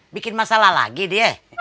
bikin masalah lagi dia